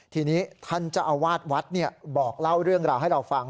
ทีนี้ท่านเจ้าอาวาสวัดบอกเล่าเรื่องราวให้เราฟัง